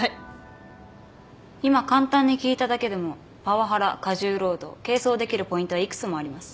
今簡単に聞いただけでもパワハラ過重労働係争できるポイントは幾つもあります。